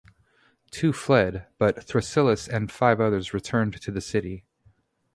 Two fled, but Thrasyllus and five others returned to the city.